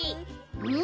うん。